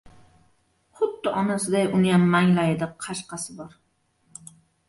Xuddi onasiday uniyam manglayida qashqasi bor.